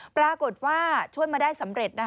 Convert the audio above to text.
ปรากฏว่าช่วยมาได้สำเร็จ